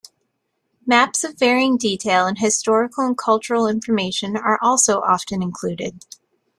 Maps of varying detail and historical and cultural information are also often included.